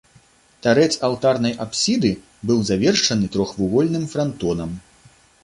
Тарэц алтарнай апсіды быў завершаны трохвугольным франтонам.